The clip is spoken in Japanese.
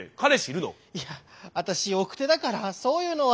いや私奥手だからそういうのは。